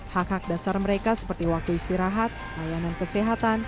hak hak dasar mereka seperti waktu istirahat layanan kesehatan